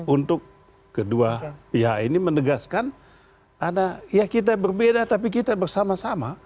untuk kedua pihak ini menegaskan ada ya kita berbeda tapi kita bersama sama